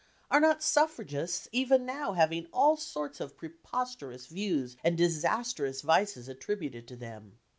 Are not suffragists even now having all sorts of preposterous views and disastrous vices attributed to them?